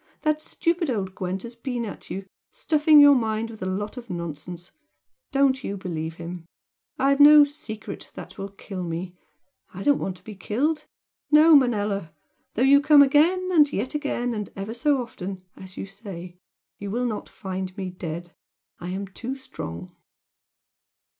That stupid old Gwent has been at you, stuffing your mind with a lot of nonsense don't you believe him! I've no 'secret' that will kill me I don't want to be killed; No, Manella! Though you come 'again and yet again and ever so often' as you say, you will not find me dead! I'm too strong!"